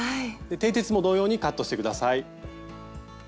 てい鉄も同様にカットして下さい。